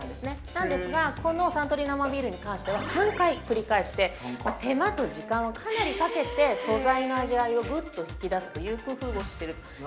なんですが、このサントリー生ビールに関しては、３回繰り返して手間と時間をかなりかけて、素材の味わいをぐっと引き出すという工夫をしている。